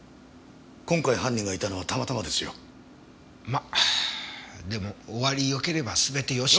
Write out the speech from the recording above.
今回犯人がいたのはたまたまですよ。までも終わりよければ全てよし。